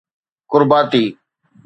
ڪرباتي